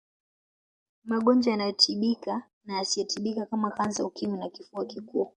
magonjwa yanayotibika na yasiyotibika kama kansa ukimwi na kifua kikuu